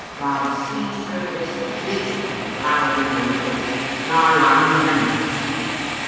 Rob seized her wrists viciously and glowered into her face. " You're ane o* them," he said.